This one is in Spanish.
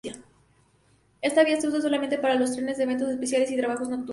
Esta vía se usa solamente para los trenes de eventos especiales y trabajos nocturnos.